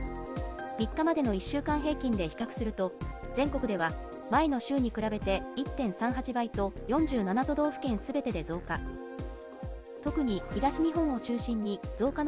３日までの１週間平均で比較すると、全国では前の週に比べて１．３８倍と、４７都道府県すべてで増加。